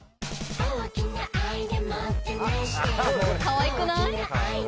かわいくない？